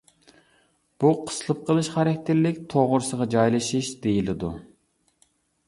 بۇ قىسىلىپ قېلىش خاراكتېرلىك توغرىسىغا جايلىشىش دېيىلىدۇ.